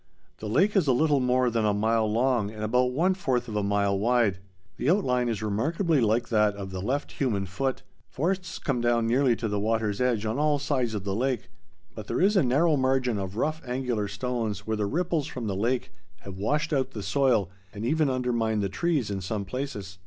The lake is a little more than a mile long and about one fourth of a mile wide. The outline is remarkably like that of the left human foot. Forests come down nearly to the water's edge on all sides of the lake, but there is a narrow margin of rough angular stones where the ripples from the lake have washed out the soil and even undermined the trees in some places.